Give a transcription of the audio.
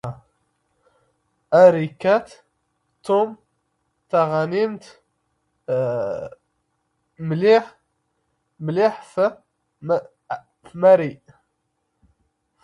ⴰⵔ ⵉⴽⴽⴰⵜ ⵜⵓⵎ ⵜⴰⵖⴰⵏⵉⵎⵜ ⵎⵍⵉⵃ ⴼ ⵎⴰⵔⵉ.